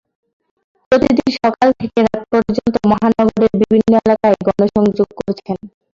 প্রতিদিন সকাল থেকে রাত পর্যন্ত মহানগরের বিভিন্ন এলাকায় গণসংযোগ করছেন।